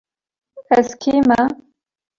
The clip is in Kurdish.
Ez kî me?